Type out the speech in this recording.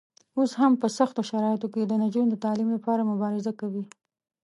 اوس هم په سختو شرایطو کې د نجونو د تعلیم لپاره مبارزه کوي.